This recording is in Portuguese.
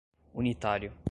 unitário